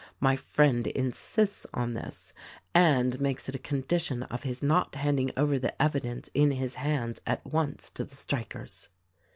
My friend insists on this and makes it a condition of his not handing over the evidence in his hands at once to the strikers.